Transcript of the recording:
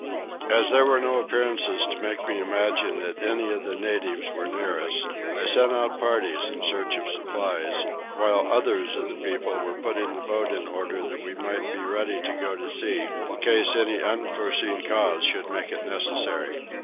As there were no appearances to make me imagine that any of the natives were near us I sent out parties in search of supplies, while others of the people were putting the boat in order that we might be ready to go to sea, in case any unforeseen cause should make it necessary.